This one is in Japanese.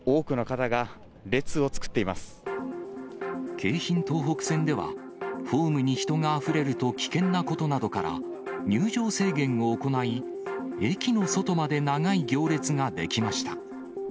京浜東北線では、ホームに人があふれると危険なことなどから、入場制限を行い、駅の外まで長い行列が出来ました。